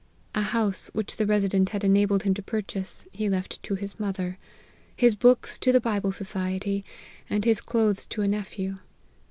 A house which the Resident had enabled him to purchase, he left to his mother ; his books to the Bible. Society, and his clothes to a nephew.